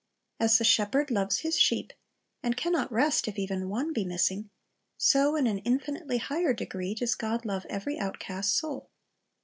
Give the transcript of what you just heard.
As the shepherd loves his sheep, and can not rest if even one be missing, so, in an infinitely higher degree, does God love every outcast soul.